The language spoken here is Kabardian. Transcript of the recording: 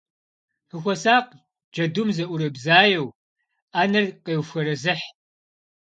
Фыхуэсакъ, джэдум, зыӏурыбзаеу, ӏэнэр къеуфэрэзыхь.